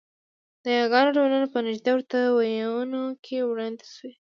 د یاګانو ډولونه په نږدې ورته وییونو کې وړاندې شوي